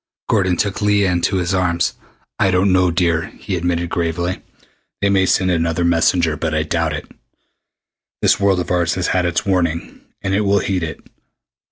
Gordon took Leah into his arms. "I don't know, dear," he admitted gravely. "They may send another messenger, but I doubt it. This world of ours has had its warning, and it will heed it.